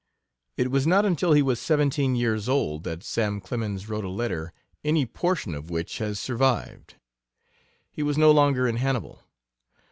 It was not until he was seventeen years old that Sam Clemens wrote a letter any portion of which has survived. He was no longer in Hannibal.